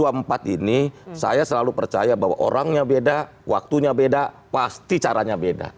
dua puluh empat ini saya selalu percaya bahwa orangnya beda waktunya beda pasti caranya beda